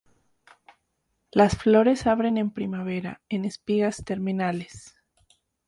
Las flores abren en primavera, en espigas terminales.